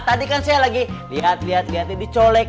tadi kan saya lagi lihat lihat dicolek